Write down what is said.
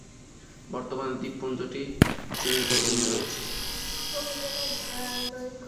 বর্তমানে দ্বীপপুঞ্জটি চীন এর অধীনে রয়েছে।